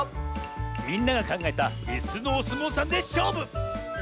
みんながかんがえたいすのおすもうさんでしょうぶ！